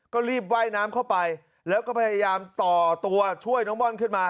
ก็รีบว่ายน้ำเข้าไปแล้วก็พยายามต่อตัวช่วยน้องม่อนขึ้นมา